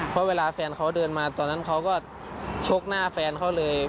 เพราะเวลาแฟนเขาเดินมาตอนนั้นเขาก็ชกหน้าแฟนเขาเลย